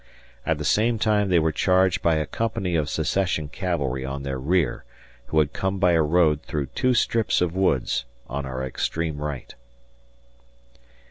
At the same time they were charged by a company of Secession cavalry on their rear, who had come by a road through two strips of woods on our extreme right.